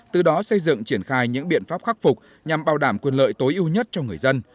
từ đó xây dựng triển khai những biện pháp khắc phục nhằm bảo đảm quyền lợi tối ưu nhất cho người dân